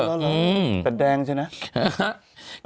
ราบเลือดแต่แดงใช่ไหม